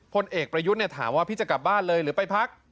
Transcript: พลเอกประยุทธ์ถามว่าพี่จะกลับบ้านเลยหรือไปพัก